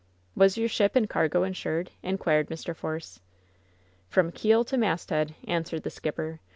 "Was your ship and cargo insured?" inquired Mr, Force. "From keel to masthead," answered the skipper.